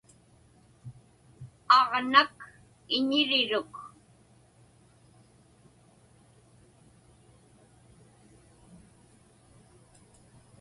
Aġnak iñiriruk.